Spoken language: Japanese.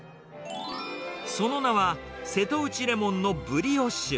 その名は、瀬戸内レモンのブリオッシュ。